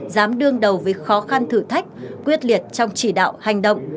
dám đương đầu với khó khăn thử thách quyết liệt trong chỉ đạo hành động